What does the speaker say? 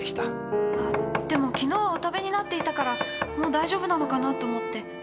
あっでも昨日お食べになっていたからもう大丈夫なのかなと思って。